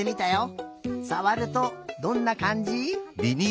さわるとどんなかんじ？